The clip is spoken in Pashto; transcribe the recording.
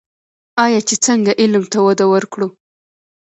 آیا چې څنګه علم ته وده ورکړو؟